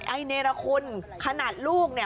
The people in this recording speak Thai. ไอเนรคุณขนาดลูกเนี่ย